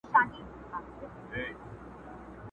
o پلار مي مه غوولی، پلار دي غيم دا ښاغلی٫